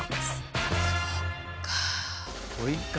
そっか。